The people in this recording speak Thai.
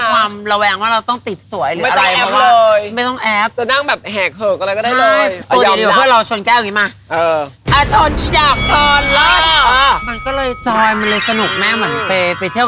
กับวงเหล้าขาว